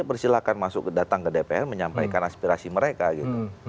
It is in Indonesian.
dia persilahkan datang ke dpr menyampaikan aspirasi mereka gitu